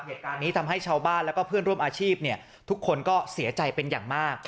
เหตุการณ์นี้ทำให้ชาวบ้านแล้วก็เพื่อนร่วมอาชีพทุกคนก็เสียใจเป็นอย่างมาก